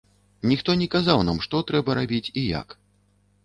Ніхто не казаў нам, што трэба рабіць і як.